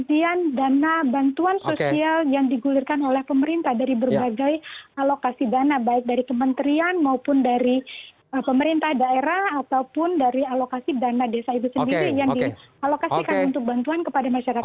dan dana bantuan sosial yang digulirkan oleh pemerintah dari berbagai alokasi dana baik dari kementerian maupun dari pemerintah daerah ataupun dari alokasi dana desa itu sendiri yang dialokasikan untuk bantuan kepada masyarakat